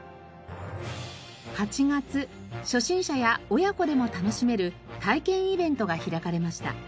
８月初心者や親子でも楽しめる体験イベントが開かれました。